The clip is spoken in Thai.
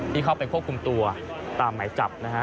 ที่เข้าไปควบคุมตัวตามหมายจับนะฮะ